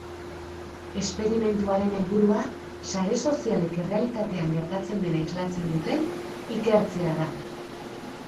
Esperimentuaren helburua sare sozialek errealitatean gertatzen dena islatzen duten ikertzea da.